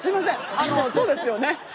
あのそうですよね。